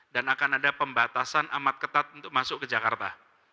akan ada pembatasan amat ketat untuk masuk ke jakarta